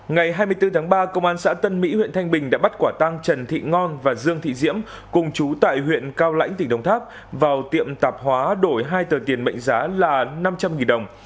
ngày hai mươi bốn tháng ba công an xã tân mỹ huyện thanh bình đã bắt quả tăng trần thị ngon và dương thị diễm cùng chú tại huyện cao lãnh tỉnh đồng tháp vào tiệm tạp hóa đổi hai tờ tiền mệnh giá là năm trăm linh đồng